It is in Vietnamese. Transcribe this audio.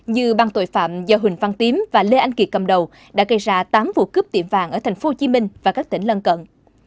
như băng tội phạm do huỳnh văn tím và lê anh kiệt cầm đầu đã gây ra tám vụ cướp tiệm vàng ở tp hcm và các tỉnh lân cận